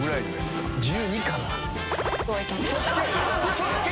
嘘つけ！